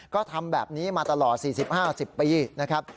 ก็ทำแบบนี้มาตลอด๔๐๕๐ปีนะครับ